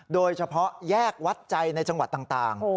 โดยเฉพาะแยกวัดใจในจังหวัดต่าง